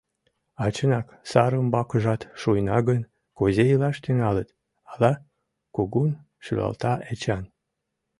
— А чынак, сар умбакыжат шуйна гын, кузе илаш тӱҥалыт, ала? — кугун шӱлалта Эчан.